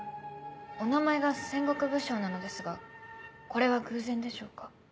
お名前が戦国武将なのですがこれは偶然でしょうか？